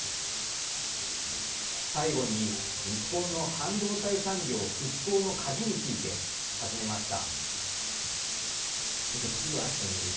最後に、日本の半導体産業復興の鍵について尋ねました。